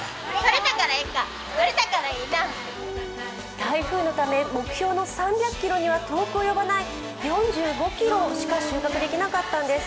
台風のため目標の３００ｋｇには遠く及ばない４５ｋｇしか収穫できなかったんです。